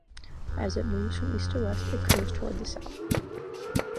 As it moves from east to west, it curves towards the south.